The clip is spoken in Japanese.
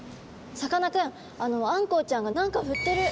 さかなクンあんこうちゃんが何かふってる！